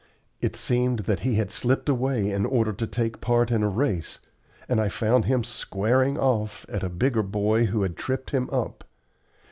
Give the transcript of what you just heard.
It seemed that he had slipped away in order to take part in a race, and I found him "squaring off" at a bigger boy who had tripped him up.